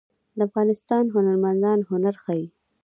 د افغانستان هنرمندان هنر ښيي